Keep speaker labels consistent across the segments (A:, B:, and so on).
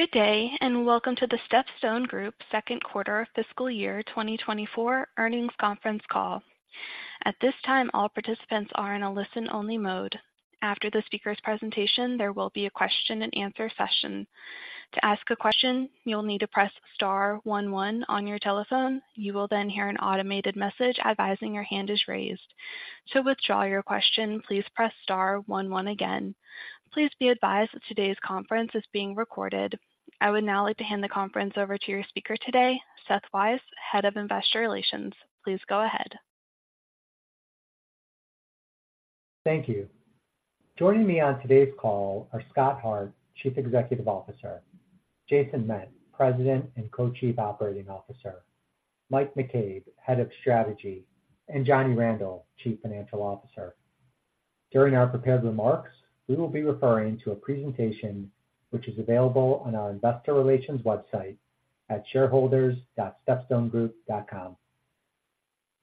A: Good day, and welcome to the StepStone Group Q2 fiscal year 2024 earnings conference call. At this time, all participants are in a listen-only mode. After the speaker's presentation, there will be a question-and-answer session. To ask a question, you'll need to press star one one on your telephone. You will then hear an automated message advising your hand is raised. To withdraw your question, please press star one one again. Please be advised that today's conference is being recorded. I would now like to hand the conference over to your speaker today, Seth Weiss, Head of Investor Relations. Please go ahead.
B: Thank you. Joining me on today's call are Scott Hart, Chief Executive Officer, Jason Ment, President and Co-Chief Operating Officer, Mike McCabe, Head of Strategy, and Johnny Randel, Chief Financial Officer. During our prepared remarks, we will be referring to a presentation which is available on our investor relations website at shareholders.stepstonegroup.com.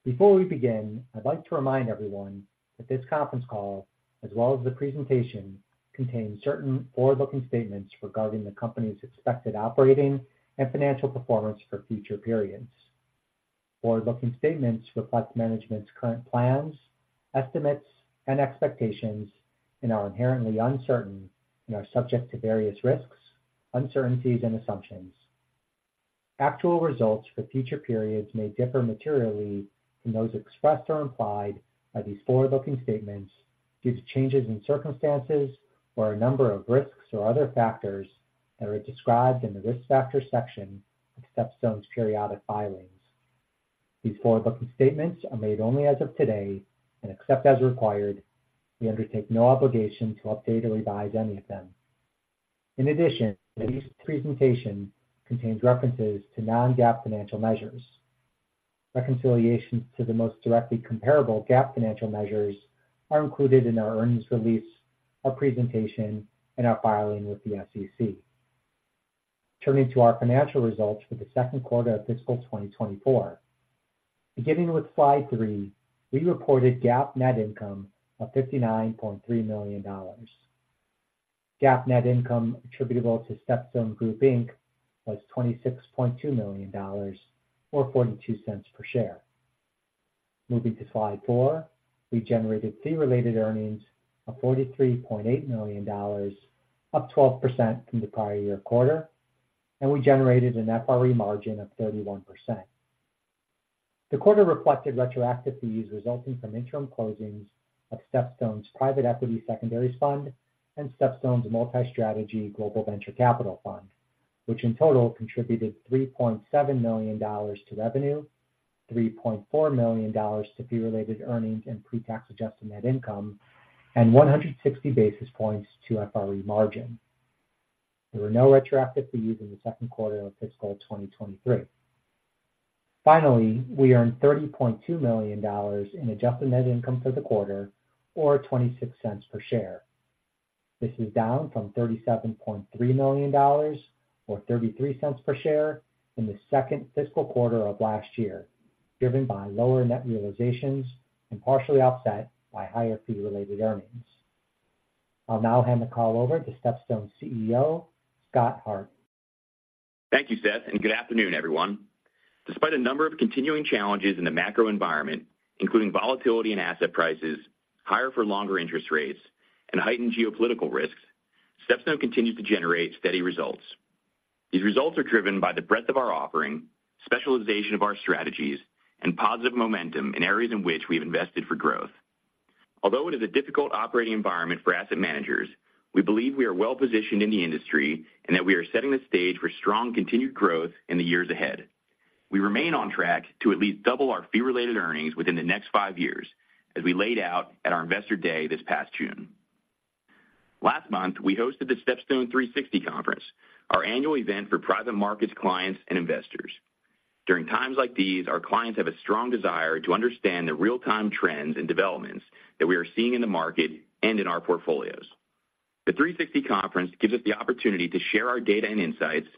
B: Before we begin, I'd like to remind everyone that this conference call, as well as the presentation, contains certain forward-looking statements regarding the company's expected operating and financial performance for future periods. Forward-looking statements reflect management's current plans, estimates, and expectations and are inherently uncertain and are subject to various risks, uncertainties, and assumptions. Actual results for future periods may differ materially from those expressed or implied by these forward-looking statements due to changes in circumstances or a number of risks or other factors that are described in the Risk Factors section of StepStone's periodic filings. These forward-looking statements are made only as of today, and except as required, we undertake no obligation to update or revise any of them. In addition, today's presentation contains references to non-GAAP financial measures. Reconciliations to the most directly comparable GAAP financial measures are included in our earnings release, our presentation, and our filing with the SEC. Turning to our financial results for the Q2 of fiscal 2024. Beginning with slide three, we reported GAAP net income of $59.3 million. GAAP net income attributable to StepStone Group, Inc., was $26.2 million, or 42 cents per share. Moving to slide 4, we generated fee-related earnings of $43.8 million, up 12% from the prior year quarter, and we generated an FRE margin of 31%. The quarter reflected retroactive fees resulting from interim closings of StepStone's Private Equity Secondaries Fund and StepStone's multi-strategy global venture capital fund, which in total contributed $3.7 million to revenue, $3.4 million to Fee-Related Earnings and pre-tax Adjusted Net Income, and 160 basis points to FRE margin. There were no retroactive fees in the Q2 of fiscal 2023. Finally, we earned $30.2 million in Adjusted Net Income for the quarter, or 26 cents per share. This is down from $37.3 million, or 33 cents per share, in the second fiscal quarter of last year, driven by lower net realizations and partially offset by higher Fee-Related Earnings. I'll now hand the call over to StepStone's CEO, Scott Hart.
C: Thank you, Seth, and good afternoon, everyone. Despite a number of continuing challenges in the macro environment, including volatility in asset prices, higher for longer interest rates, and heightened geopolitical risks, StepStone continues to generate steady results. These results are driven by the breadth of our offering, specialization of our strategies, and positive momentum in areas in which we've invested for growth. Although it is a difficult operating environment for asset managers, we believe we are well-positioned in the industry and that we are setting the stage for strong continued growth in the years ahead. We remain on track to at least double our fee-related earnings within the next five years, as we laid out at our Investor Day this past June. Last month, we hosted the StepStone 360 Conference, our annual event for private markets, clients, and investors. During times like these, our clients have a strong desire to understand the real-time trends and developments that we are seeing in the market and in our portfolios. The 360 Conference gives us the opportunity to share our data and insights,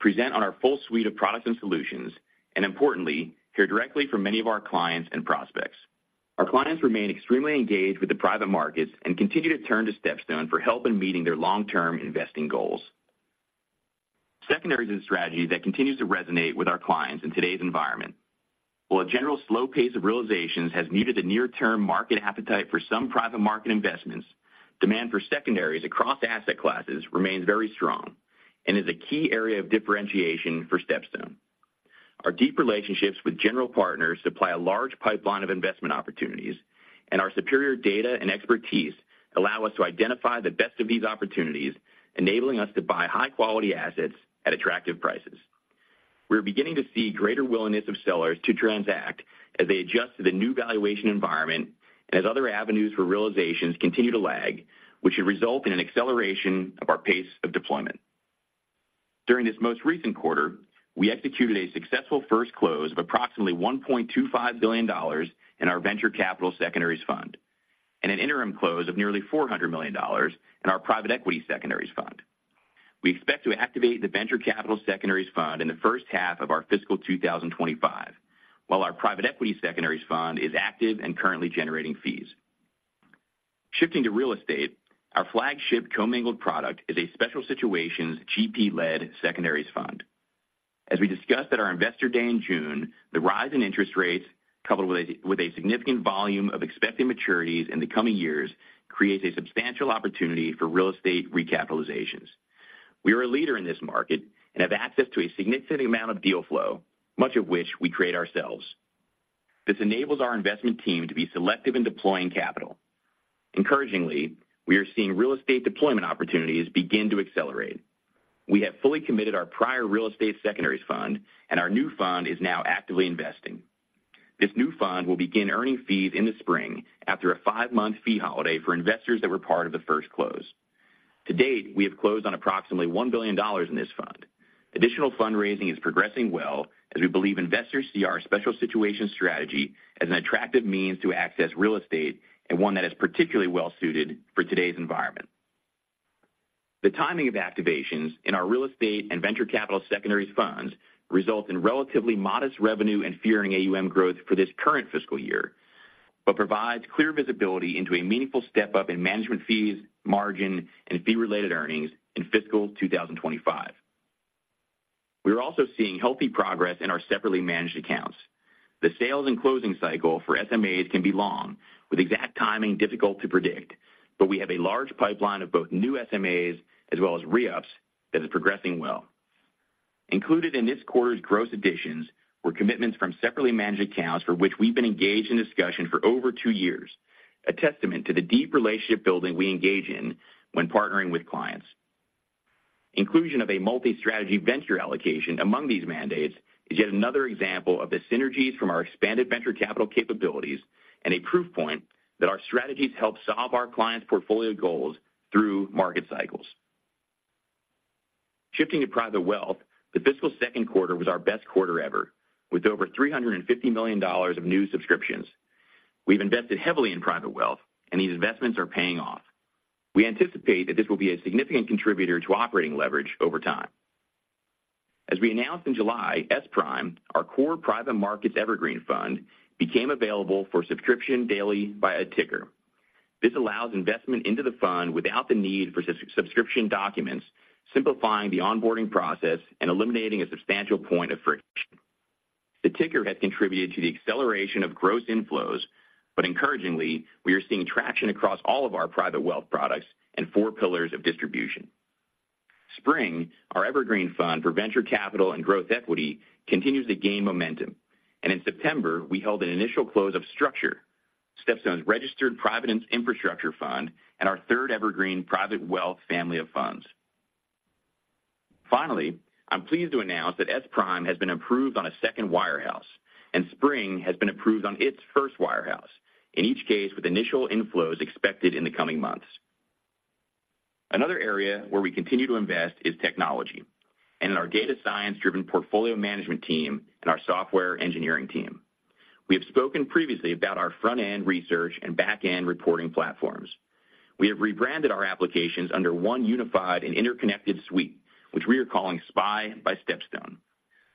C: present on our full suite of products and solutions, and importantly, hear directly from many of our clients and prospects. Our clients remain extremely engaged with the private markets and continue to turn to StepStone for help in meeting their long-term investing goals. Secondaries is a strategy that continues to resonate with our clients in today's environment. While a general slow pace of realizations has muted the near-term market appetite for some private market investments, demand for secondaries across asset classes remains very strong and is a key area of differentiation for StepStone. Our deep relationships with general partners supply a large pipeline of investment opportunities, and our superior data and expertise allow us to identify the best of these opportunities, enabling us to buy high-quality assets at attractive prices. We are beginning to see greater willingness of sellers to transact as they adjust to the new valuation environment and as other avenues for realizations continue to lag, which should result in an acceleration of our pace of deployment. During this most recent quarter, we executed a successful first close of approximately $1.25 billion in our Venture Capital Secondaries Fund and an interim close of nearly $400 million in our Private Equity Secondaries Fund. We expect to activate the Venture Capital Secondaries Fund in the H1 of our fiscal 2025, while our Private Equity Secondaries Fund is active and currently generating fees. Shifting to real estate, our flagship commingled product is a special situations GP-led secondaries fund. As we discussed at our Investor Day in June, the rise in interest rates, coupled with a significant volume of expected maturities in the coming years, creates a substantial opportunity for real estate recapitalizations. We are a leader in this market and have access to a significant amount of deal flow, much of which we create ourselves. This enables our investment team to be selective in deploying capital. Encouragingly, we are seeing real estate deployment opportunities begin to accelerate. We have fully committed our prior real estate secondaries fund, and our new fund is now actively investing. This new fund will begin earning fees in the spring after a five-month fee holiday for investors that were part of the first close. To date, we have closed on approximately $1 billion in this fund. Additional fundraising is progressing well, as we believe investors see our special situation strategy as an attractive means to access real estate and one that is particularly well suited for today's environment. The timing of activations in our real estate and venture capital secondaries funds result in relatively modest revenue and fee-earning AUM growth for this current fiscal year, but provides clear visibility into a meaningful step-up in management fees, margin, and fee-related earnings in fiscal 2025. We are also seeing healthy progress in our separately managed accounts. The sales and closing cycle for SMAs can be long, with exact timing difficult to predict, but we have a large pipeline of both new SMAs as well as re-ups that is progressing well. Included in this quarter's gross additions were commitments from separately managed accounts for which we've been engaged in discussion for over two years, a testament to the deep relationship building we engage in when partnering with clients. Inclusion of a multi-strategy venture allocation among these mandates is yet another example of the synergies from our expanded venture capital capabilities and a proof point that our strategies help solve our clients' portfolio goals through market cycles. Shifting to private wealth, the fiscal Q2 was our best quarter ever, with over $350 million of new subscriptions. We've invested heavily in private wealth, and these investments are paying off. We anticipate that this will be a significant contributor to operating leverage over time. As we announced in July, SPRIM, our core private markets evergreen fund, became available for subscription daily by a ticker. This allows investment into the fund without the need for subscription documents, simplifying the onboarding process and eliminating a substantial point of friction. The ticker has contributed to the acceleration of gross inflows, but encouragingly, we are seeing traction across all of our private wealth products and four pillars of distribution. SPRING, our evergreen fund for venture capital and growth equity, continues to gain momentum, and in September, we held an initial close of STRUCTURE, StepStone's registered private infrastructure fund and our third evergreen private wealth family of funds. Finally, I'm pleased to announce that SPRIM has been approved on a second wirehouse, and SPRING has been approved on its first wirehouse, in each case, with initial inflows expected in the coming months. Another area where we continue to invest is technology, and in our data science-driven portfolio management team and our software engineering team. We have spoken previously about our front-end research and back-end reporting platforms. We have rebranded our applications under one unified and interconnected suite, which we are calling SPY by StepStone.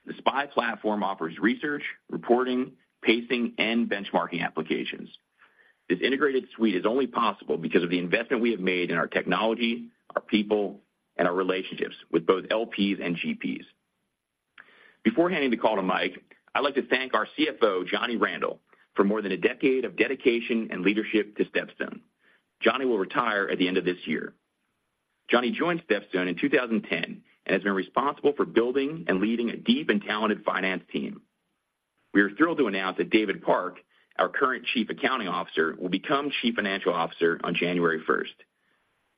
C: The SPY platform offers research, reporting, pacing, and benchmarking applications. This integrated suite is only possible because of the investment we have made in our technology, our people, and our relationships with both LPs and GPs. Before handing the call to Mike, I'd like to thank our CFO, Johnny Randel, for more than a decade of dedication and leadership to StepStone. Johnny will retire at the end of this year. Johnny joined StepStone in 2010, and has been responsible for building and leading a deep and talented finance team. We are thrilled to announce that David Park, our current Chief Accounting Officer, will become Chief Financial Officer on January 1.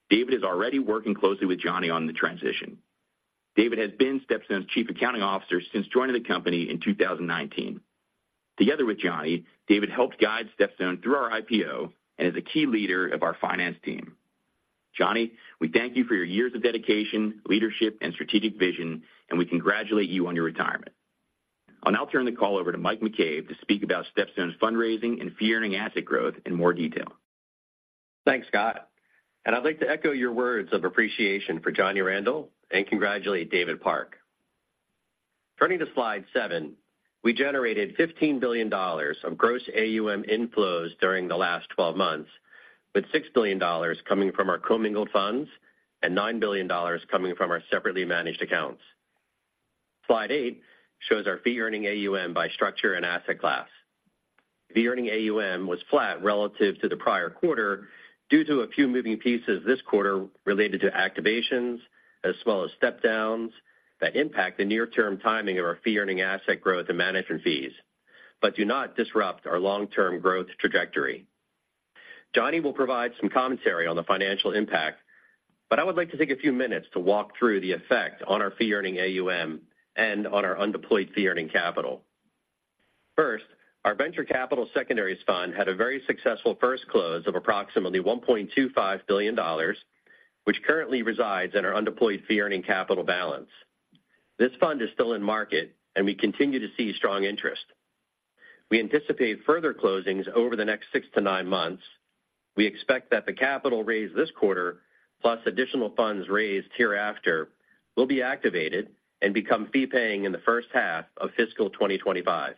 C: David is already working closely with Johnny on the transition. David has been StepStone's Chief Accounting Officer since joining the company in 2019. Together with Johnny, David helped guide StepStone through our IPO and is a key leader of our finance team. Johnny, we thank you for your years of dedication, leadership, and strategic vision, and we congratulate you on your retirement. I'll now turn the call over to Mike McCabe to speak about StepStone's fundraising and fee earning asset growth in more detail..
D: Thanks, Scott, and I'd like to echo your words of appreciation for Johnny Randel and congratulate David Park. Turning to Slide seven, we generated $15 billion of gross AUM inflows during the last 12 months, with $6 billion coming from our commingled funds and $9 billion coming from our separately managed accounts. Slide eight shows our fee-earning AUM by STRUCTURE and asset class. Fee-earning AUM was flat relative to the prior quarter due to a few moving pieces this quarter related to activations, as well as step downs that impact the near-term timing of our fee earning asset growth and management fees, but do not disrupt our long-term growth trajectory. Johnny will provide some commentary on the financial impact, but I would like to take a few minutes to walk through the effect on our fee earning AUM and on our undeployed fee earning capital. First, our Venture Capital Secondaries Fund had a very successful first close of approximately $1.25 billion, which currently resides in our undeployed fee-earning capital balance. This fund is still in market, and we continue to see strong interest. We anticipate further closings over the next six to nine months. We expect that the capital raised this quarter, plus additional funds raised hereafter, will be activated and become fee-paying in the H1 of fiscal 2025.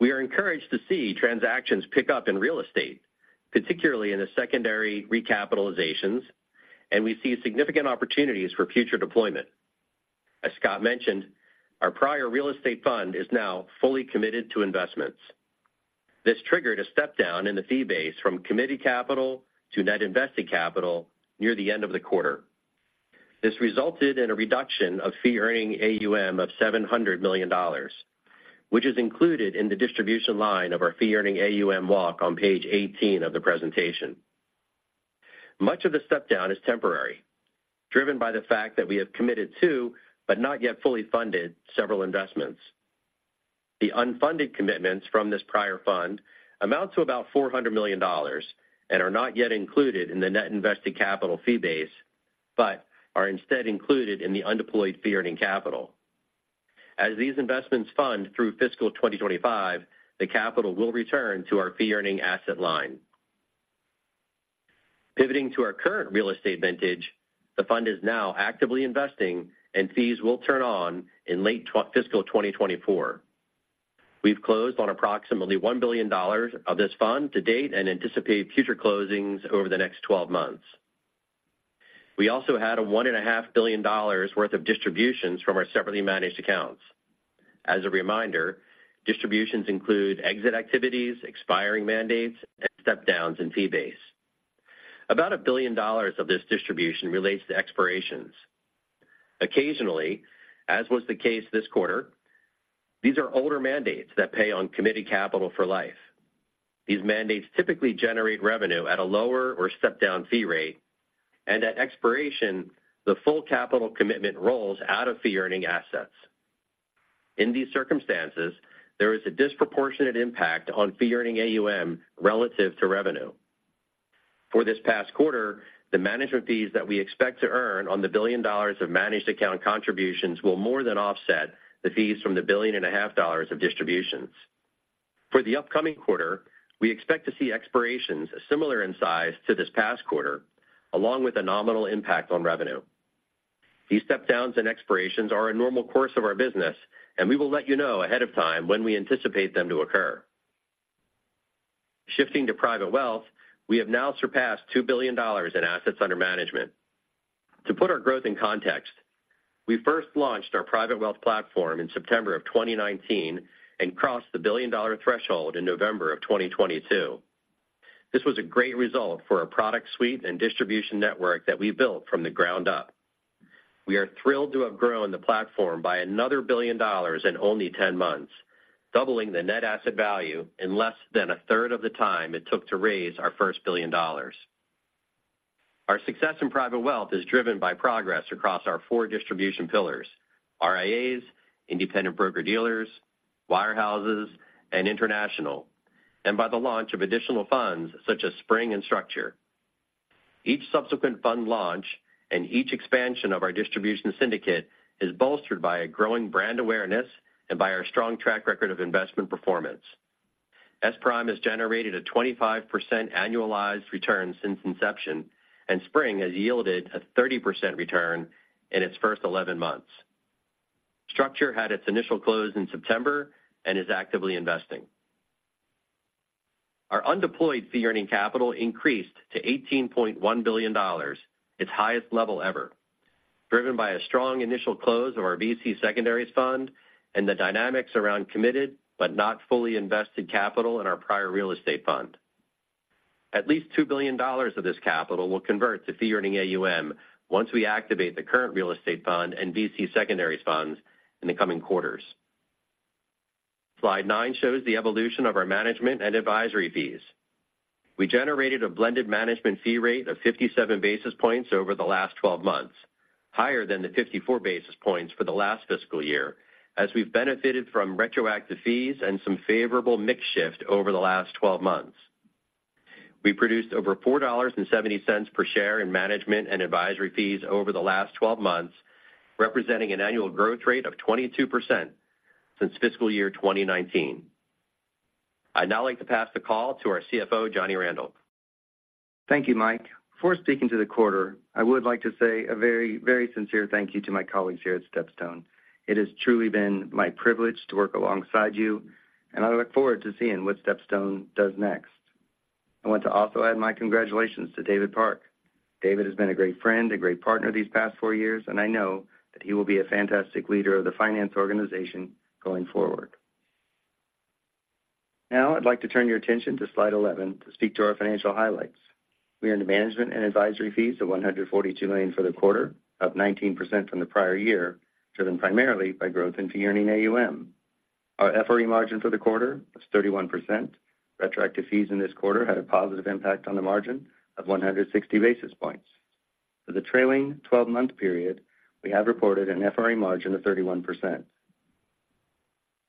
D: We are encouraged to see transactions pick up in real estate, particularly in the secondary recapitalizations, and we see significant opportunities for future deployment. As Scott mentioned, our prior real estate fund is now fully committed to investments. This triggered a step down in the fee base from committed capital to net invested capital near the end of the quarter. This resulted in a reduction of fee-earning AUM of $700 million, which is included in the distribution line of our fee-earning AUM walk on page 18 of the presentation. Much of the step-down is temporary, driven by the fact that we have committed to, but not yet fully funded, several investments. The unfunded commitments from this prior fund amount to about $400 million and are not yet included in the net invested capital fee base, but are instead included in the undeployed fee-earning capital. As these investments fund through fiscal 2025, the capital will return to our fee-earning asset line. Pivoting to our current real estate vintage, the fund is now actively investing, and fees will turn on in late fiscal 2024. We've closed on approximately $1 billion of this fund to date and anticipate future closings over the next twelve months. We also had a $1.5 billion worth of distributions from our separately managed accounts. As a reminder, distributions include exit activities, expiring mandates, and step-downs in fee base. About $1 billion of this distribution relates to expirations. Occasionally, as was the case this quarter, these are older mandates that pay on committed capital for life. These mandates typically generate revenue at a lower or step-down fee rate, and at expiration, the full capital commitment rolls out of fee-earning assets. In these circumstances, there is a disproportionate impact on fee-earning AUM relative to revenue. For this past quarter, the management fees that we expect to earn on the $1 billion of managed account contributions will more than offset the fees from the $1.5 billion of distributions. For the upcoming quarter, we expect to see expirations similar in size to this past quarter, along with a nominal impact on revenue. These step-downs and expirations are a normal course of our business, and we will let you know ahead of time when we anticipate them to occur. Shifting to private wealth, we have now surpassed $2 billion in assets under management. To put our growth in context, we first launched our private wealth platform in September 2019 and crossed the billion-dollar threshold in November 2022. This was a great result for our product suite and distribution network that we built from the ground up. We are thrilled to have grown the platform by another billion dollars in only 10 months, doubling the net asset value in less than a third of the time it took to raise our first billion dollars. Our success in private wealth is driven by progress across our four distribution pillars: RIAs, independent broker-dealers, wirehouses, and international, and by the launch of additional funds such as SPRING and STRUCTURE. Each subsequent fund launch and each expansion of our distribution syndicate is bolstered by a growing brand awareness and by our strong track record of investment performance. SPRIM has generated a 25% annualized return since inception, and SPRING has yielded a 30% return in its first 11 months. STRUCTURE had its initial close in September and is actively investing. Our undeployed fee-earning capital increased to $18.1 billion, its highest level ever, driven by a strong initial close of our VC secondaries fund and the dynamics around committed, but not fully invested, capital in our prior real estate fund. At least $2 billion of this capital will convert to fee-earning AUM once we activate the current real estate fund and VC secondaries funds in the coming quarters. Slide 9 shows the evolution of our management and advisory fees. We generated a blended management fee rate of 57 basis points over the last twelve months, higher than the 54 basis points for the last fiscal year, as we've benefited from retroactive fees and some favorable mix shift over the last twelve months. We produced over $4.70 per share in management and advisory fees over the last twelve months, representing an annual growth rate of 22% since fiscal year 2019. I'd now like to pass the call to our CFO, Johnny Randall.
E: Thank you, Mike. Before speaking to the quarter, I would like to say a very, very sincere thank you to my colleagues here at StepStone. It has truly been my privilege to work alongside you, and I look forward to seeing what StepStone does next. I want to also add my congratulations to David Park. David has been a great friend, a great partner these past four years, and I know that he will be a fantastic leader of the finance organization going forward. Now, I'd like to turn your attention to slide 11 to speak to our financial highlights. We earned management and advisory fees of $142 million for the quarter, up 19% from the prior year, driven primarily by growth in fee earning AUM. Our FRE margin for the quarter was 31%. Retroactive fees in this quarter had a positive impact on the margin of 100 basis points. For the trailing twelve-month period, we have reported an FRE margin of 31%.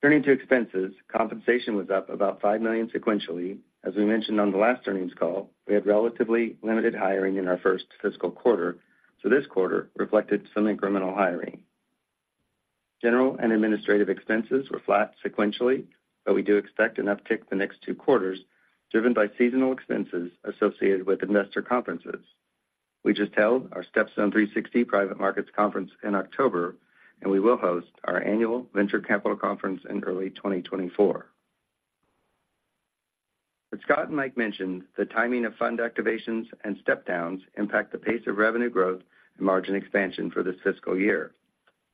E: Turning to expenses, compensation was up about $5 million sequentially. As we mentioned on the last earnings call, we had relatively limited hiring in our first fiscal quarter, so this quarter reflected some incremental hiring. General and administrative expenses were flat sequentially, but we do expect an uptick the next two quarters, driven by seasonal expenses associated with investor conferences. We just held our StepStone 360 Private Markets conference in October, and we will host our annual Venture Capital conference in early 2024. As Scott and Mike mentioned, the timing of fund activations and step-downs impact the pace of revenue growth and margin expansion for this fiscal year.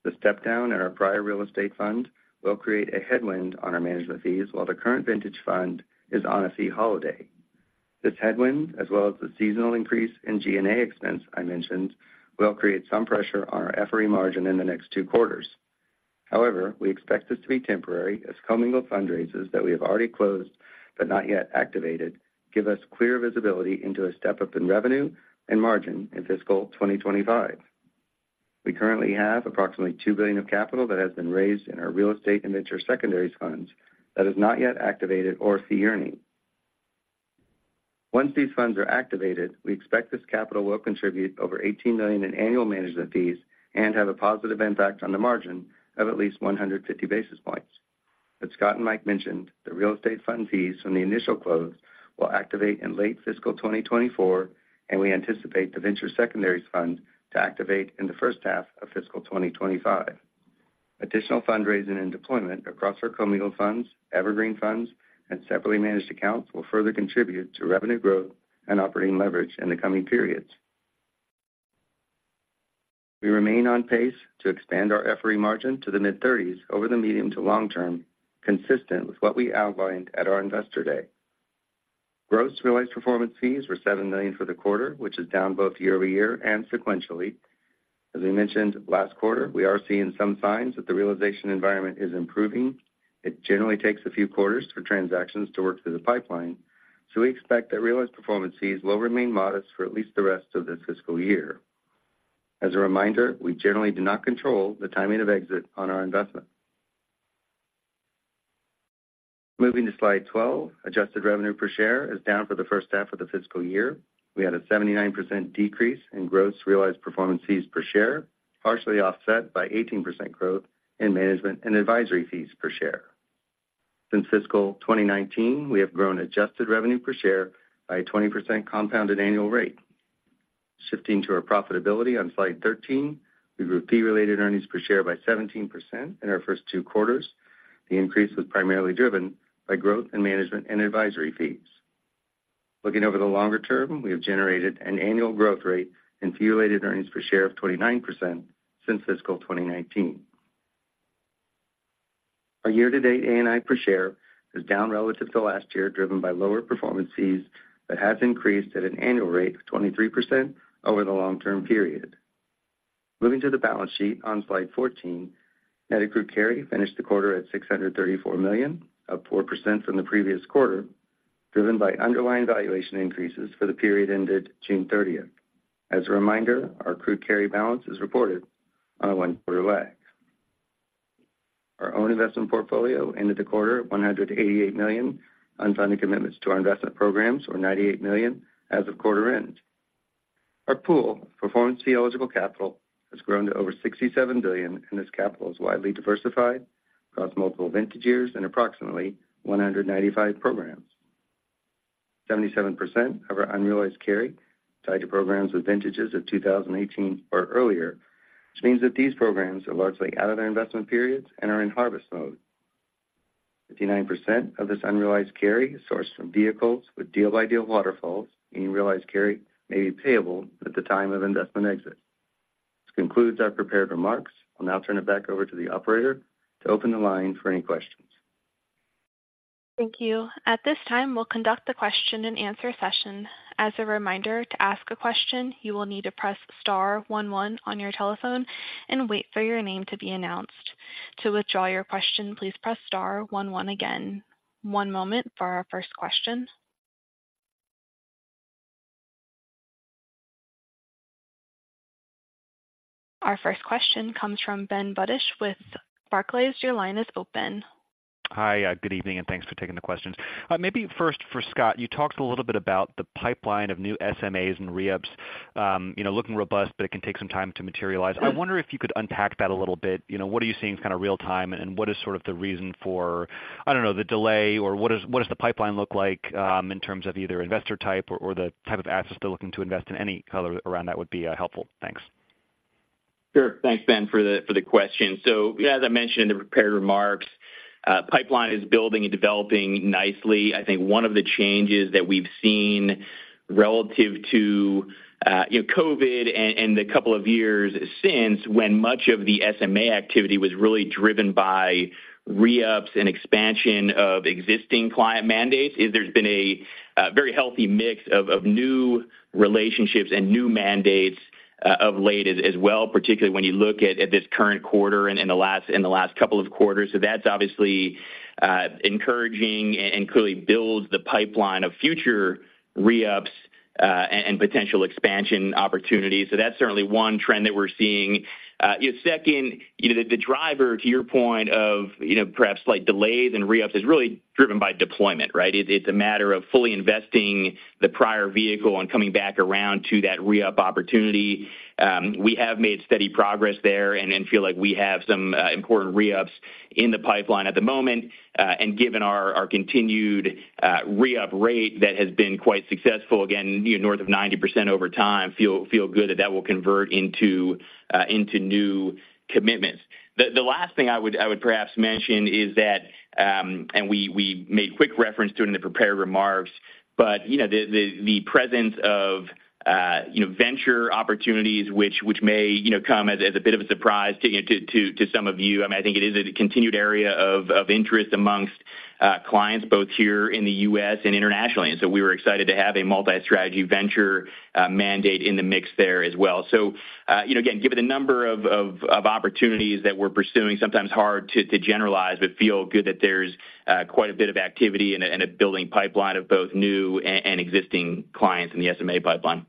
E: The step-down in our prior real estate fund will create a headwind on our management fees, while the current vintage fund is on a fee holiday. This headwind, as well as the seasonal increase in G&A expense I mentioned, will create some pressure on our FRE margin in the next two quarters. However, we expect this to be temporary, as commingled fundraises that we have already closed but not yet activated give us clear visibility into a step-up in revenue and margin in fiscal 2025. We currently have approximately $2 billion of capital that has been raised in our real estate and venture secondaries funds that is not yet activated or fee earning. Once these funds are activated, we expect this capital will contribute over $18 million in annual management fees and have a positive impact on the margin of at least 150 basis points. As Scott and Mike mentioned, the real estate fund fees from the initial close will activate in late fiscal 2024, and we anticipate the venture secondaries fund to activate in the H1 of fiscal 2025. Additional fundraising and deployment across our commingled funds, evergreen funds, and separately managed accounts will further contribute to revenue growth and operating leverage in the coming periods. We remain on pace to expand our FRE margin to the mid-30s over the medium to long term, consistent with what we outlined at our Investor Day. Gross realized performance fees were $7 million for the quarter, which is down both year-over-year and sequentially. As we mentioned last quarter, we are seeing some signs that the realization environment is improving. It generally takes a few quarters for transactions to work through the pipeline, so we expect that realized performance fees will remain modest for at least the rest of this fiscal year. As a reminder, we generally do not control the timing of exit on our investment. Moving to Slide 12, adjusted revenue per share is down for the H1 of the fiscal year. We had a 79% decrease in gross realized performance fees per share, partially offset by 18% growth in management and advisory fees per share. Since fiscal 2019, we have grown adjusted revenue per share by a 20% compounded annual rate. Shifting to our profitability on Slide 13, we grew fee-related earnings per share by 17% in our first two quarters. The increase was primarily driven by growth in management and advisory fees. Looking over the longer term, we have generated an annual growth rate in fee-related earnings per share of 29% since fiscal 2019. Our year-to-date ANI per share is down relative to last year, driven by lower performance fees, but has increased at an annual rate of 23% over the long-term period. Moving to the balance sheet on Slide 14, net accrued carry finished the quarter at $634 million, up 4% from the previous quarter, driven by underlying valuation increases for the period ended June 30. As a reminder, our accrued carry balance is reported on a one-quarter lag. Our own investment portfolio ended the quarter at $188 million, unfunded commitments to our investment programs were $98 million as of quarter end. Our pool of performance fee eligible capital has grown to over $67 billion, and this capital is widely diversified across multiple vintage years and approximately 195 programs. 77% of our unrealized carry tied to programs with vintages of 2018 or earlier, which means that these programs are largely out of their investment periods and are in harvest mode. 59% of this unrealized carry is sourced from vehicles with deal-by-deal waterfalls, meaning realized carry may be payable at the time of investment exit. This concludes our prepared remarks. I'll now turn it back over to the operator to open the line for any questions.
A: Thank you. At this time, we'll conduct the question-and-answer session. As a reminder, to ask a question, you will need to press star one one on your telephone and wait for your name to be announced. To withdraw your question, please press star one one again. One moment for our first question. Our first question comes from Ben Budish with Barclays. Your line is open.
F: Hi, good evening, and thanks for taking the questions. Maybe first for Scott, you talked a little bit about the pipeline of new SMAs and re-ups, you know, looking robust, but it can take some time to materialize. I wonder if you could unpack that a little bit. You know, what are you seeing kind of real time, and what is sort of the reason for, I don't know, the delay, or what does the pipeline look like, in terms of either investor type or the type of assets they're looking to invest in? Any color around that would be helpful. Thanks.
C: Sure. Thanks, Ben, for the question. So as I mentioned in the prepared remarks, pipeline is building and developing nicely. I think one of the changes that we've seen relative to, you know, COVID and the couple of years since, when much of the SMA activity was really driven by re-ups and expansion of existing client mandates, is there's been a very healthy mix of new relationships and new mandates of late as well, particularly when you look at this current quarter and in the last couple of quarters. So that's obviously encouraging and clearly builds the pipeline of future re-ups. And potential expansion opportunities. So that's certainly one trend that we're seeing. Second, you know, the driver, to your point of, you know, perhaps slight delays and re-ups, is really driven by deployment, right? It's a matter of fully investing the prior vehicle and coming back around to that re-up opportunity. We have made steady progress there and then feel like we have some important re-ups in the pipeline at the moment, and given our continued re-up rate, that has been quite successful, again, you know, north of 90% over time, feel good that that will convert into new commitments. The last thing I would perhaps mention is that, and we made quick reference to it in the prepared remarks, but, you know, the presence of, you know, venture opportunities, which may, you know, come as a bit of a surprise to some of you. I mean, I think it is a continued area of interest among clients, both here in the U.S. and internationally. And so we were excited to have a multi-strategy venture mandate in the mix there as well. So, you know, again, given the number of opportunities that we're pursuing, sometimes hard to generalize, but feel good that there's quite a bit of activity and a building pipeline of both new and existing clients in the SMA pipeline.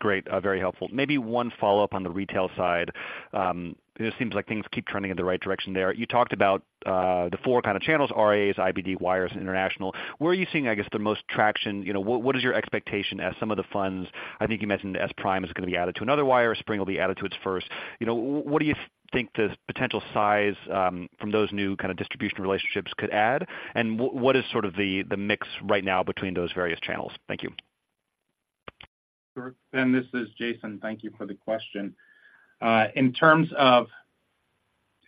F: Great, very helpful. Maybe one follow-up on the retail side. It just seems like things keep trending in the right direction there. You talked about the four kind of channels, RIAs, IBD, wires, and international. Where are you seeing, I guess, the most traction? You know, what is your expectation as some of the funds. I think you mentioned SPRIM is going to be added to another wire, SPRING will be added to its first. You know, what do you think the potential size from those new kind of distribution relationships could add? And what is sort of the mix right now between those various channels? Thank you.
G: Sure. Ben, this is Jason. Thank you for the question. In terms of,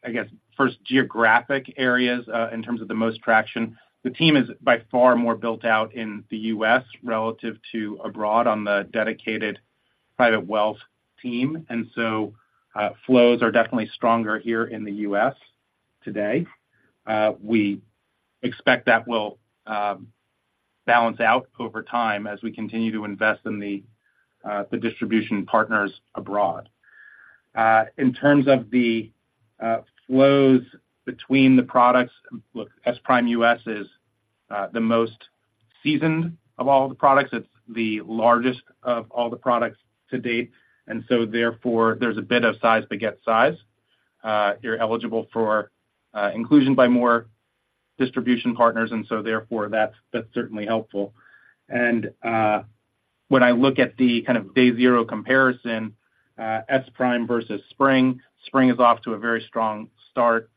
G: I guess, first geographic areas, in terms of the most traction, the team is by far more built out in the US relative to abroad on the dedicated private wealth team, and so, flows are definitely stronger here in the US today. We expect that will balance out over time as we continue to invest in the distribution partners abroad. In terms of the flows between the products, look, SPRIM US is the most seasoned of all the products. It's the largest of all the products to date, and so therefore, there's a bit of size begets size. You're eligible for inclusion by more distribution partners, and so therefore, that's certainly helpful. And when I look at the kind of day zero comparison, SPRIM versus SPRING, SPRING is off to a very strong start.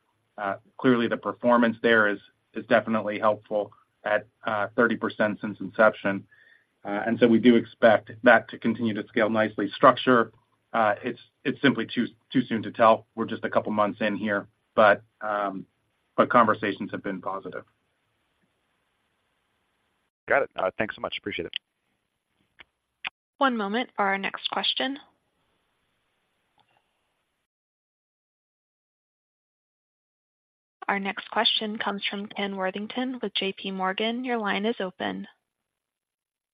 G: Clearly, the performance there is definitely helpful at 30% since inception. And so we do expect that to continue to scale nicely. STRUCTURE, it's simply too soon to tell. We're just a couple of months in here, but conversations have been positive.
F: Got it. Thanks so much. Appreciate it.
A: One moment for our next question. Our next question comes from Ken Worthington with J.P. Morgan. Your line is open.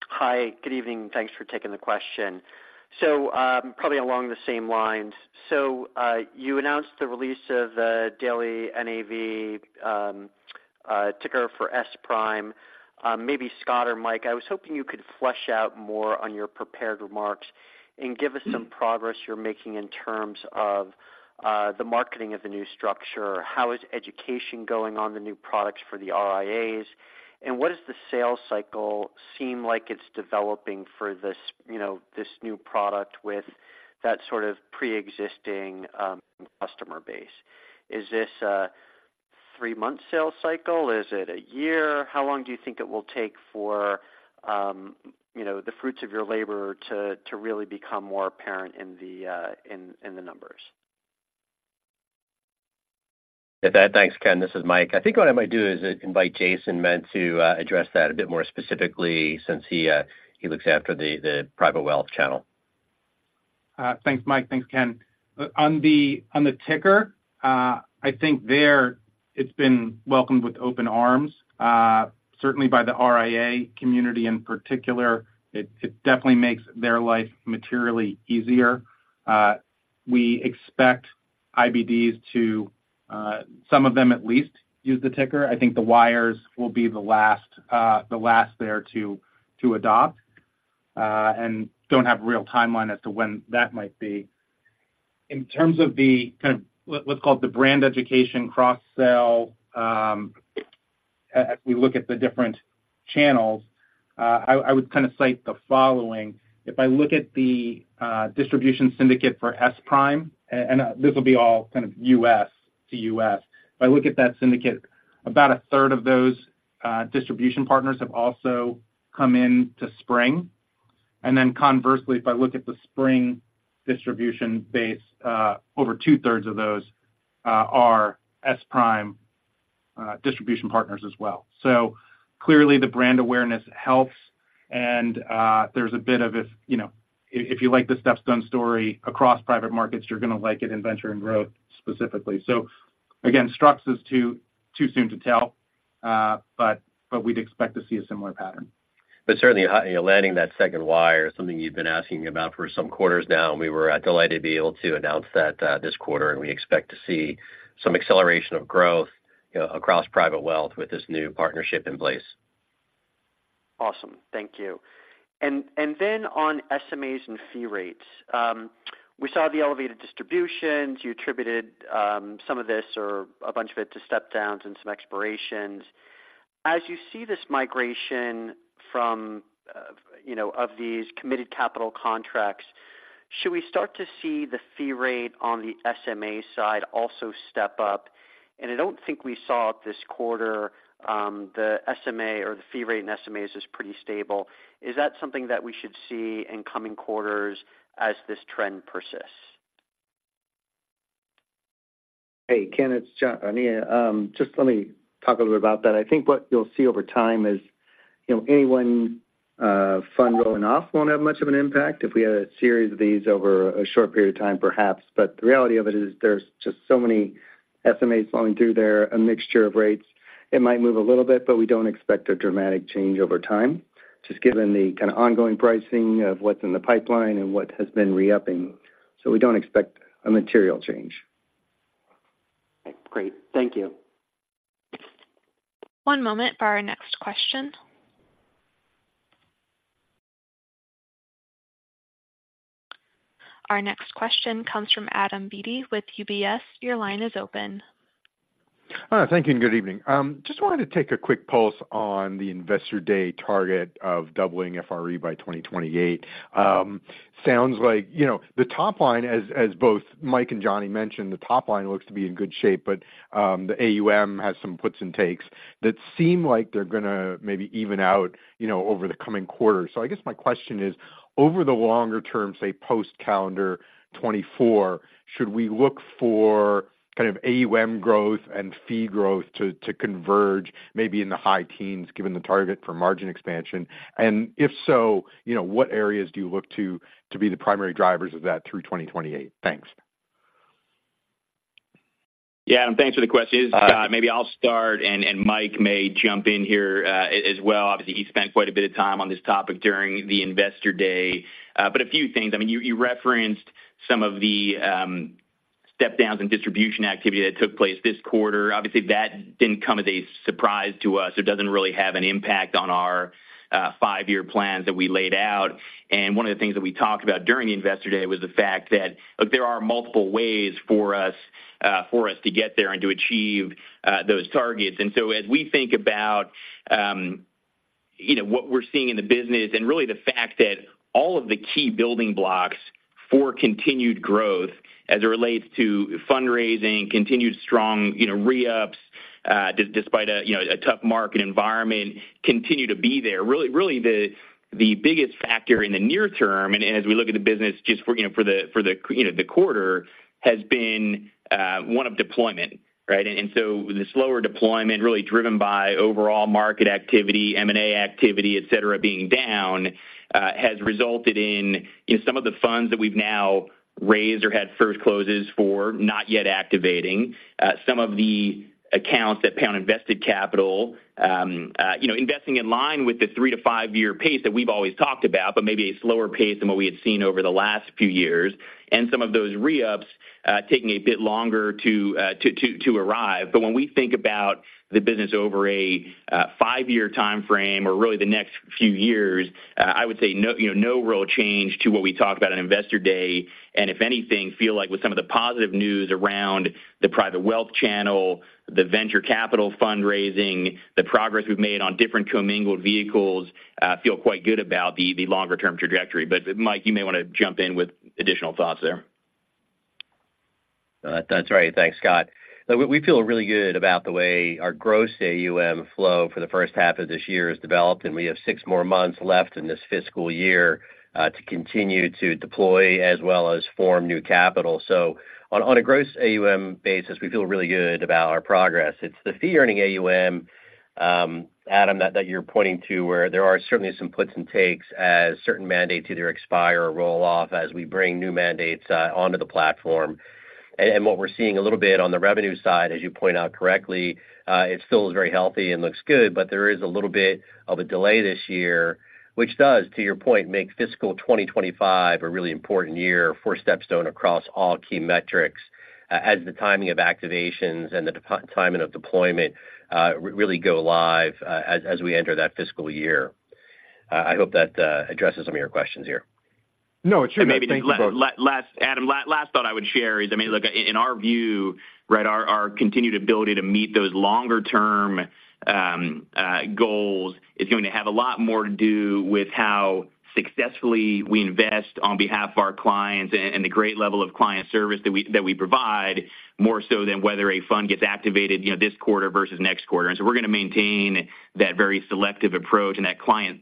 H: Hi, good evening. Thanks for taking the question. So, probably along the same lines. So, you announced the release of the daily NAV, ticker for SPRIM. Maybe Scott or Mike, I was hoping you could flesh out more on your prepared remarks and give us some progress you're making in terms of, the marketing of the new structure. How is education going on the new products for the RIAs? And what does the sales cycle seem like it's developing for this, you know, this new product with that sort of pre-existing, customer base? Is this a three-month sales cycle? Is it a year? How long do you think it will take for, you know, the fruits of your labor to really become more apparent in the, in the numbers?
D: Thanks, Ken. This is Mike. I think what I might do is invite Jason Ment to address that a bit more specifically, since he looks after the private wealth channel.
G: Thanks, Mike. Thanks, Ken. On the ticker, I think there it's been welcomed with open arms, certainly by the RIA community in particular. It definitely makes their life materially easier. We expect IBDs to, some of them at least, use the ticker. I think the wires will be the last there to adopt, and don't have a real timeline as to when that might be. In terms of the kind of what, what's called the brand education cross-sell, as we look at the different channels, I would kind of cite the following: If I look at the distribution syndicate for SPRIM, and this will be all kind of US to US. If I look at that syndicate, about a third of those distribution partners have also come in to SPRING. Then conversely, if I look at the SPRING distribution base, over two-thirds of those are SPRIM distribution partners as well. So clearly, the brand awareness helps, and there's a bit of if, you know, if you like the StepStone story across private markets, you're going to like it in Venture and Growth specifically. So again, STRUCTURE is too soon to tell, but we'd expect to see a similar pattern.
D: But certainly, you know, landing that second wire, something you've been asking about for some quarters now, and we were delighted to be able to announce that, this quarter, and we expect to see some acceleration of growth across private wealth with this new partnership in place.
H: Awesome. Thank you. And then on SMAs and fee rates, we saw the elevated distributions. You attributed, some of this or a bunch of it to step downs and some expirations. As you see this migration from, you know, of these committed capital contracts, should we start to see the fee rate on the SMA side also step up? And I don't think we saw it this quarter, the SMA or the fee rate in SMAs is pretty stable. Is that something that we should see in coming quarters as this trend persists?
E: Hey, Ken, it's John, just let me talk a little bit about that. I think what you'll see over time is, you know, any one fund rolling off won't have much of an impact. If we had a series of these over a short period of time, perhaps. But the reality of it is there's just so many SMAs flowing through there, a mixture of rates. It might move a little bit, but we don't expect a dramatic change over time, just given the kind of ongoing pricing of what's in the pipeline and what has been re-upping. So we don't expect a material change.
H: Great. Thank you.
A: One moment for our next question. Our next question comes from Adam Beatty with UBS. Your line is open.
I: Thank you, and good evening. Just wanted to take a quick pulse on the Investor Day target of doubling FRE by 2028. Sounds like, you know, the top line, as both Mike and Johnny mentioned, the top line looks to be in good shape, but the AUM has some puts and takes that seem like they're gonna maybe even out, you know, over the coming quarters. So I guess my question is, over the longer term, say, post calendar 2024, should we look for kind of AUM growth and fee growth to converge maybe in the high teens, given the target for margin expansion? And if so, you know, what areas do you look to be the primary drivers of that through 2028? Thanks.
C: Yeah, Adam, thanks for the question. Maybe I'll start, and Mike may jump in here as well. Obviously, he spent quite a bit of time on this topic during the Investor Day. But a few things. I mean, you referenced some of the step downs and distribution activity that took place this quarter. Obviously, that didn't come as a surprise to us. It doesn't really have an impact on our five-year plans that we laid out. And one of the things that we talked about during the Investor Day was the fact that look, there are multiple ways for us to get there and to achieve those targets. And so as we think about, you know, what we're seeing in the business and really the fact that all of the key building blocks for continued growth as it relates to fundraising, continued strong, you know, re-ups, despite a, you know, a tough market environment, continue to be there. Really, the biggest factor in the near term, and as we look at the business just for the quarter, has been one of deployment, right? And so the slower deployment, really driven by overall market activity, M&A activity, et cetera, being down, has resulted in some of the funds that we've now raised or had first closes for not yet activating. Some of the accounts that have net invested capital, you know, investing in line with the three to five year pace that we've always talked about, but maybe a slower pace than what we had seen over the last few years. Some of those re-ups taking a bit longer to arrive. But when we think about the business over a 5-year timeframe or really the next few years, I would say no, you know, no real change to what we talked about on Investor Day. If anything, feel like with some of the positive news around the private wealth channel, the venture capital fundraising, the progress we've made on different commingled vehicles, feel quite good about the longer term trajectory. But Mike, you may want to jump in with additional thoughts there.
D: That's right. Thanks, Scott. Look, we, we feel really good about the way our gross AUM flow for the H1 of this year has developed, and we have six more months left in this fiscal year to continue to deploy as well as form new capital. So on, on a gross AUM basis, we feel really good about our progress. It's the fee-earning AUM, Adam, that, that you're pointing to, where there are certainly some puts and takes as certain mandates either expire or roll off as we bring new mandates onto the platform. What we're seeing a little bit on the revenue side, as you point out correctly, it still is very healthy and looks good, but there is a little bit of a delay this year, which does, to your point, make fiscal 2025 a really important year for StepStone across all key metrics, as the timing of activations and the timing of deployment really go live, as we enter that fiscal year. I hope that addresses some of your questions here.
I: No, it sure does.
C: And maybe the last thought I would share is, I mean, look, in our view, right, our continued ability to meet those longer term goals is going to have a lot more to do with how successfully we invest on behalf of our clients and the great level of client service that we provide, more so than whether a fund gets activated, you know, this quarter versus next quarter. And so we're going to maintain that very selective approach and that client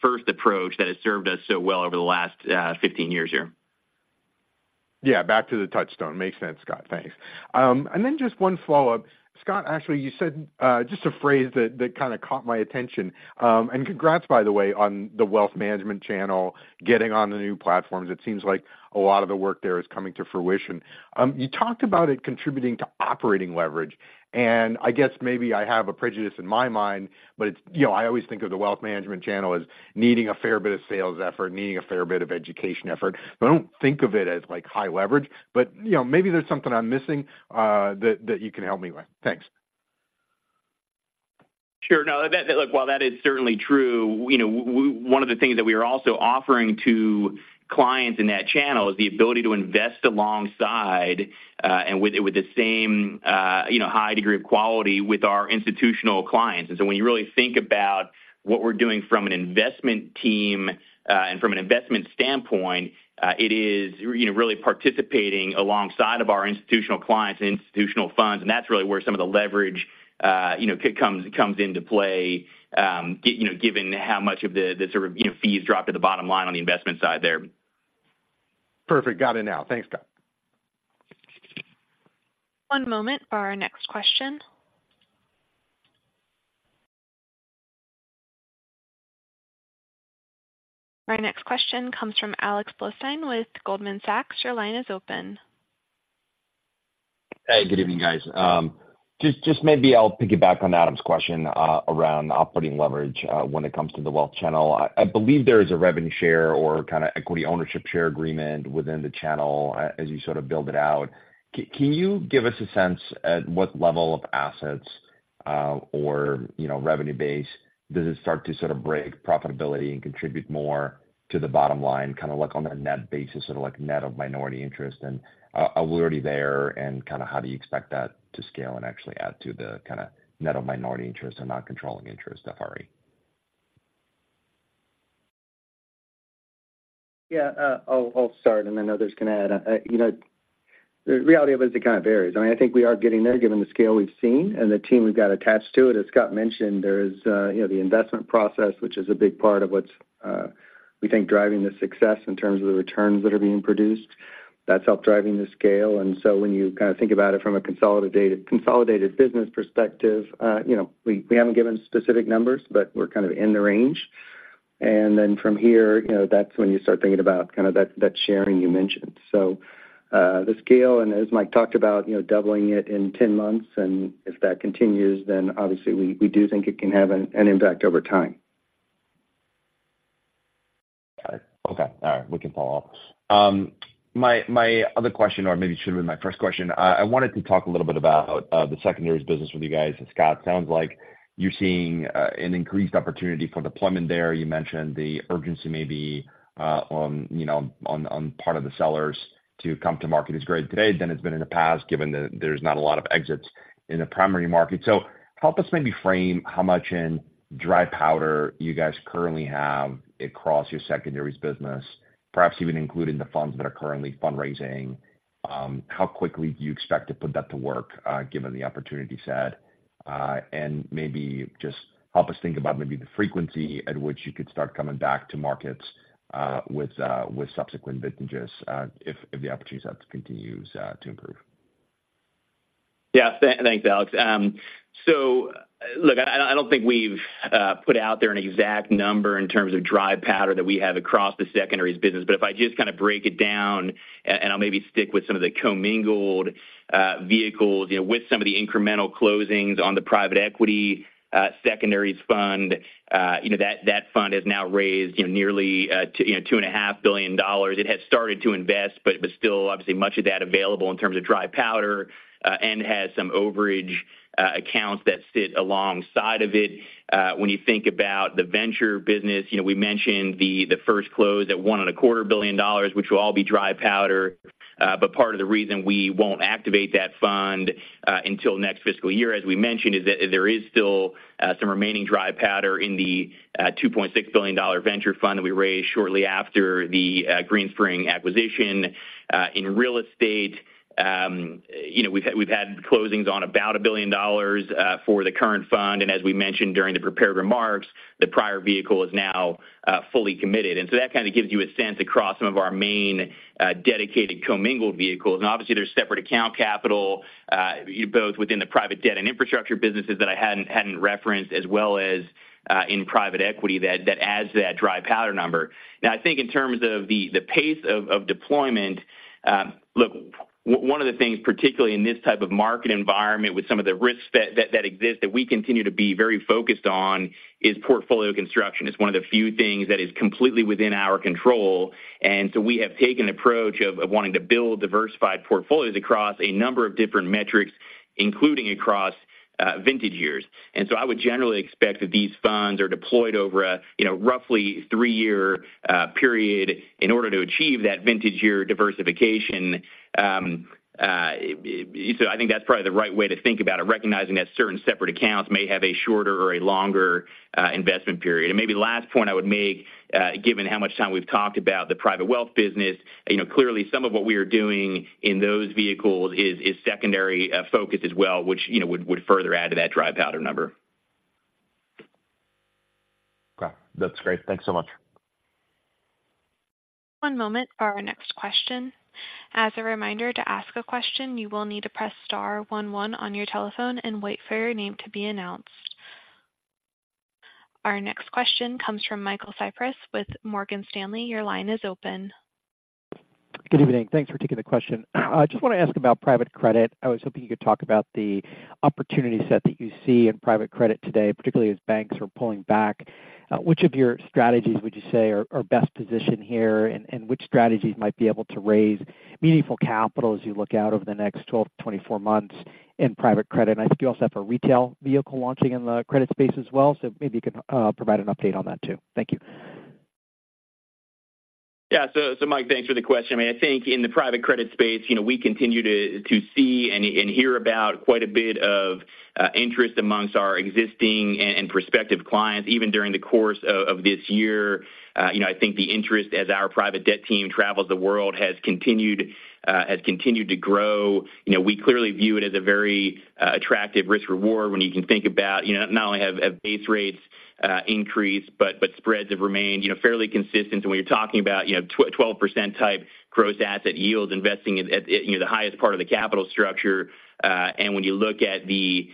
C: first approach that has served us so well over the last 15 years here.
I: Yeah, back to StepStone. Makes sense, Scott. Thanks. And then just one follow-up. Scott, actually, you said just a phrase that kind of caught my attention. And congrats, by the way, on the wealth management channel getting on the new platforms. It seems like a lot of the work there is coming to fruition. You talked about it contributing to operating leverage, and I guess maybe I have a prejudice in my mind, but it's... You know, I always think of the wealth management channel as needing a fair bit of sales effort, needing a fair bit of education effort, but I don't think of it as, like, high leverage. But you know, maybe there's something I'm missing that you can help me with. Thanks.
C: Sure. No, that, that, look, while that is certainly true, you know, one of the things that we are also offering to clients in that channel is the ability to invest alongside and with the same, you know, high degree of quality with our institutional clients. And so when you really think about what we're doing from an investment team and from an investment standpoint, it is, you know, really participating alongside of our institutional clients and institutional funds, and that's really where some of the leverage, you know, comes into play, you know, given how much of the, the sort of, you know, fees drop to the bottom line on the investment side there.
I: Perfect. Got it now. Thanks, Scott.
A: One moment for our next question. Our next question comes from Alex Blostein with Goldman Sachs. Your line is open.
J: Hey, good evening, guys. Just maybe I'll piggyback on Adam's question around operating leverage when it comes to the wealth channel. I believe there is a revenue share or kind of equity ownership share agreement within the channel as you sort of build it out. Can you give us a sense at what level of assets or, you know, revenue base does it start to sort of break profitability and contribute more to the bottom line, kind of like on a net basis, sort of like net of minority interest? And are we already there, and kind of how do you expect that to scale and actually add to the kind of net of minority interest and non-controlling interest at FRE?
E: Yeah, I'll start, and then others can add. You know, the reality of it is it kind of varies. I mean, I think we are getting there, given the scale we've seen and the team we've got attached to it. As Scott mentioned, there is, you know, the investment process, which is a big part of what's we think driving the success in terms of the returns that are being produced. That's helped driving the scale. And so when you kind of think about it from a consolidated business perspective, you know, we haven't given specific numbers, but we're kind of in the range. And then from here, you know, that's when you start thinking about kind of that sharing you mentioned. The scale, and as Mike talked about, you know, doubling it in 10 months, and if that continues, then obviously we do think it can have an impact over time.
J: Got it. Okay. All right, we can follow up. My other question, or maybe it should have been my first question. I wanted to talk a little bit about the secondaries business with you guys. And Scott, sounds like you're seeing an increased opportunity for deployment there. You mentioned the urgency maybe on, you know, on the part of the sellers to come to market is greater today than it's been in the past, given that there's not a lot of exits in the primary market. So help us maybe frame how much in dry powder you guys currently have across your secondaries business, perhaps even including the funds that are currently fundraising. How quickly do you expect to put that to work, given the opportunity set? Maybe just help us think about maybe the frequency at which you could start coming back to markets with subsequent vintages, if the opportunity set continues to improve.
C: Yeah. Thanks, Alex. So look, I don't think we've put out there an exact number in terms of dry powder that we have across the secondaries business, but if I just kind of break it down, and I'll maybe stick with some of the commingled vehicles, you know, with some of the incremental closings on the Private Equity Secondaries Fund, you know, that fund has now raised nearly $2.5 billion. It has started to invest, but still, obviously, much of that available in terms of dry powder, and has some overage accounts that sit alongside of it. When you think about the venture business, you know, we mentioned the first close at $1.25 billion, which will all be dry powder. But part of the reason we won't activate that fund until next fiscal year, as we mentioned, is that there is still some remaining dry powder in the $2.6 billion venture fund that we raised shortly after the Greenspring acquisition. In real estate, you know, we've had closings on about $1 billion for the current fund, and as we mentioned during the prepared remarks, the prior vehicle is now fully committed. So that kind of gives you a sense across some of our main dedicated commingled vehicles. Obviously, there's separate account capital both within the private debt and infrastructure businesses that I hadn't referenced, as well as in private equity, that adds to that dry powder number. Now, I think in terms of the pace of deployment, look, one of the things, particularly in this type of market environment, with some of the risks that exist, that we continue to be very focused on is portfolio construction. It's one of the few things that is completely within our control, and so we have taken an approach of wanting to build diversified portfolios across a number of different metrics, including across vintage years. And so I would generally expect that these funds are deployed over a, you know, roughly three-year period in order to achieve that vintage year diversification. So I think that's probably the right way to think about it, recognizing that certain separate accounts may have a shorter or a longer investment period. Maybe the last point I would make, given how much time we've talked about the private wealth business, you know, clearly some of what we are doing in those vehicles is secondary focus as well, which, you know, would further add to that dry powder number.
J: Okay, that's great. Thanks so much.
A: One moment for our next question. As a reminder, to ask a question, you will need to press star one one on your telephone and wait for your name to be announced. Our next question comes from Michael Cyprys with Morgan Stanley. Your line is open.
K: Good evening. Thanks for taking the question. I just want to ask about private credit. I was hoping you could talk about the opportunity set that you see in private credit today, particularly as banks are pulling back. Which of your strategies would you say are best positioned here, and which strategies might be able to raise meaningful capital as you look out over the next 12-24 months in private credit? I think you also have a retail vehicle launching in the credit space as well, so maybe you can provide an update on that, too. Thank you.
C: Yeah, so, so Mike, thanks for the question. I mean, I think in the private credit space, you know, we continue to see and hear about quite a bit of interest amongst our existing and prospective clients, even during the course of this year. You know, I think the interest as our private debt team travels the world has continued to grow. You know, we clearly view it as a very attractive risk reward when you can think about, you know, not only have base rates increased, but spreads have remained, you know, fairly consistent. And when you're talking about, you know, 12% type gross asset yields, investing at, at, you know, the highest part of the capital structure, and when you look at the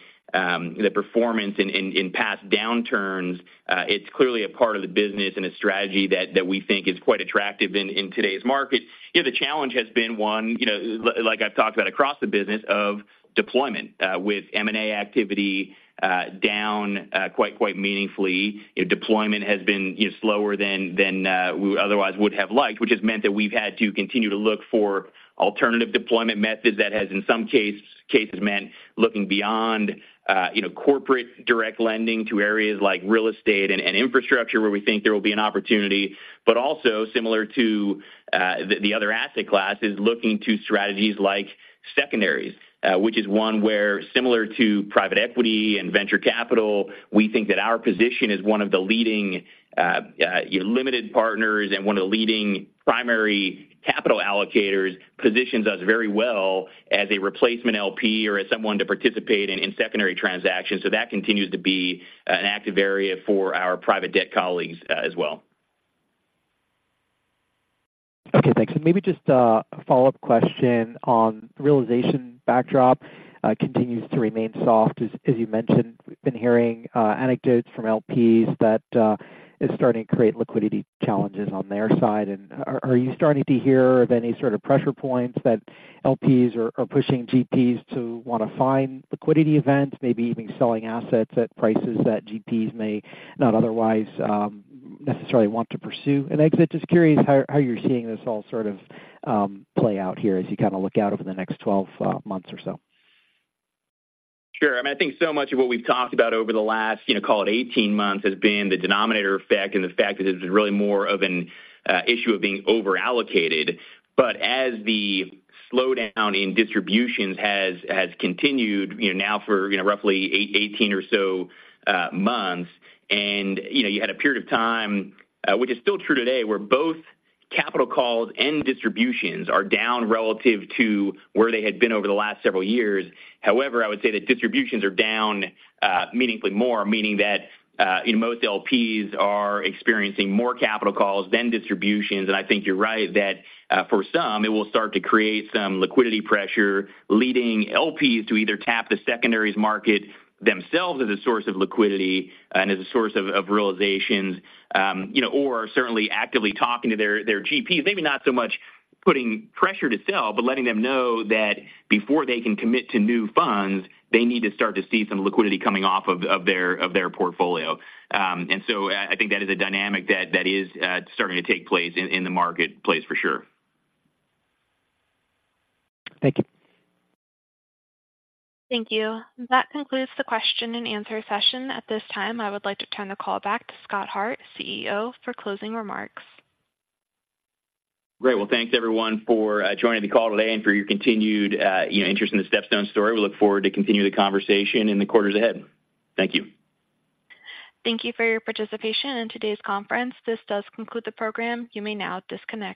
C: performance in past downturns, it's clearly a part of the business and a strategy that we think is quite attractive in today's market. You know, the challenge has been one, you know, like I've talked about across the business, of deployment. With M&A activity down quite meaningfully, deployment has been, you know, slower than we otherwise would have liked, which has meant that we've had to continue to look for alternative deployment methods. That has, in some cases, meant looking beyond, you know, corporate direct lending to areas like real estate and infrastructure, where we think there will be an opportunity. But also, similar to the other asset classes, looking to strategies like secondaries, which is one where similar to private equity and venture capital, we think that our position as one of the leading limited partners and one of the leading primary capital allocators, positions us very well as a replacement LP or as someone to participate in secondary transactions. So that continues to be an active area for our private debt colleagues, as well.
K: Okay, thanks. And maybe just a follow-up question on realization backdrop continues to remain soft. As you mentioned, we've been hearing anecdotes from LPs that is starting to create liquidity challenges on their side. And are you starting to hear of any sort of pressure points that LPs are pushing GPs to want to find liquidity events, maybe even selling assets at prices that GPs may not otherwise necessarily want to pursue an exit? Just curious how you're seeing this all sort of play out here as you kind of look out over the next twelve months or so.
C: Sure. I mean, I think so much of what we've talked about over the last, you know, call it 18 months, has been the denominator effect and the fact that it's really more of an issue of being over-allocated. But as the slowdown in distributions has continued, you know, now for, you know, roughly 18 or so months, and, you know, you had a period of time, which is still true today, where both capital calls and distributions are down relative to where they had been over the last several years. However, I would say that distributions are down meaningfully more, meaning that, you know, most LPs are experiencing more capital calls than distributions. I think you're right, that for some, it will start to create some liquidity pressure, leading LPs to either tap the secondaries market themselves as a source of liquidity and as a source of realizations. You know, or certainly actively talking to their GPs. Maybe not so much putting pressure to sell, but letting them know that before they can commit to new funds, they need to start to see some liquidity coming off of their portfolio. I think that is a dynamic that is starting to take place in the marketplace for sure.
K: Thank you.
A: Thank you. That concludes the question and answer session. At this time, I would like to turn the call back to Scott Hart, CEO, for closing remarks.
C: Great. Well, thanks, everyone, for joining the call today and for your continued, you know, interest in the StepStone story. We look forward to continuing the conversation in the quarters ahead. Thank you.
A: Thank you for your participation in today's conference. This does conclude the program. You may now disconnect.